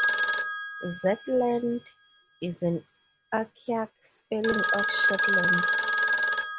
Zetland is an archaic spelling of Shetland.